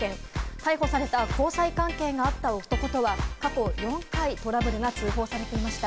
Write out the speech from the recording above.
逮捕された交際関係があった男とは過去４回、トラブルが通報されていました。